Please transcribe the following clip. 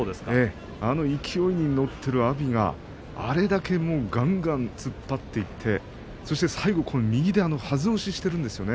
勢いに乗っている阿炎があれだけがんがん突っ張っていってそして最後、右ではず押ししているんですよね。